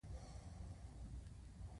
د ولسونو په کلتور کې د کیسو مجلسونه وو.